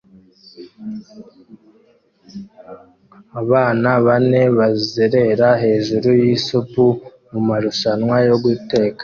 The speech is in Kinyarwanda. Abana bane bazerera hejuru yisupu mumarushanwa yo guteka